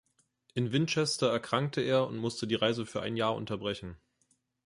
In Winchester erkrankte er und musste die Reise für ein Jahr unterbrechen.